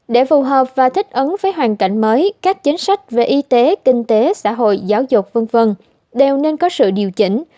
để phù hợp và thích ứng với hoàn cảnh mới các chính sách về y tế kinh tế xã hội giáo dục v v đều nên có sự điều chỉnh